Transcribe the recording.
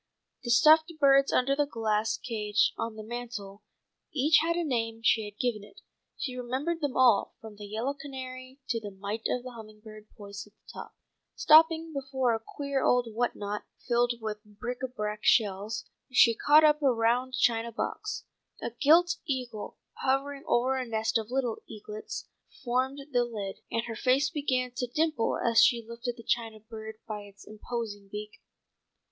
The stuffed birds under the glass case on the mantel each had a name she had given it. She remembered them all, from the yellow canary, to the mite of a humming bird, poised at the top. Stopping before a queer old whatnot, filled with bric à brac and shells, she caught up a round china box. A gilt eagle, hovering over a nest of little eaglets formed the lid, and her face began to dimple as she lifted the china bird by its imposing beak.